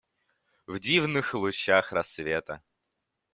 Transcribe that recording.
В дивных лучах рассвета.